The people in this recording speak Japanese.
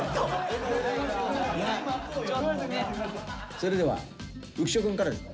それでは浮所くんからですか。